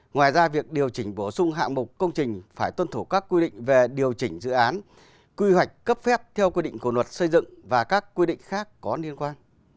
ngoài ra việc điều chỉnh bổ sung hạng mục công trình phải tuân thủ các quy định về điều chỉnh dự án quy hoạch cấp phép theo quy định của luật xây dựng và các quy định khác có liên quan